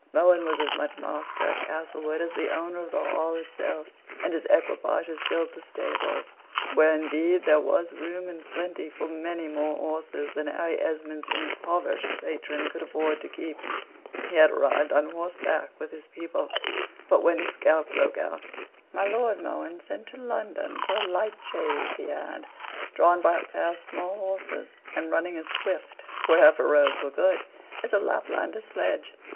Mohun was as much master at Castlewood as the owner of the Hall itself; and his equipages filled the stables, where, indeed, there was room and plenty for many more horses than Harry Esmond's impoverished patron could afford to keep. He had arrived on horseback with his people; but when his gout broke out my Lord Mohun sent to London for a light chaise he had, drawn by a pair of small horses, and running as swift, wherever roads were good, as a Laplander's sledge.